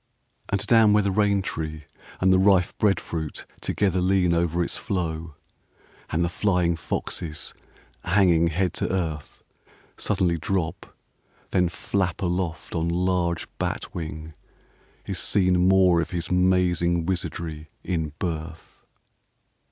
VI And down where the rain tree and the rife breadfruit together lean Over its flow, and the flying foxes hanging head to earth Suddenly drop then flap aloft on large bat wing, is seen More of his mazing wizardry in birth.